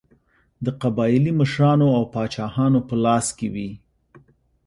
د قبایلي مشرانو او پاچاهانو په لاس کې وې.